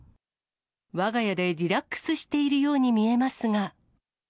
わが家でリラックスしているように見えますが。